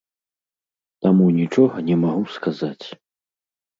Таму нічога не магу сказаць.